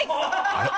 あれ？